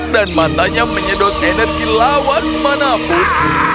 dan matanya menyedot energi lawan manapun